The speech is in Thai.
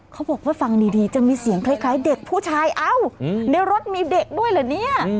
เขาบอกว่าฟังดีจะมีเสียงคล้ายเด็กผู้ชายเอ้าในรถมีเด็กด้วยเหรอเนี่ย